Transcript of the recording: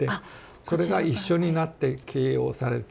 これが一緒になって掲揚されて。